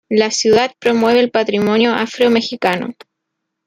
La ciudad promueve el patrimonio afro-mexicano.